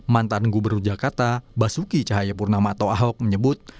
mantan gubernur jakarta basuki cahayapurnama atau ahok menyebut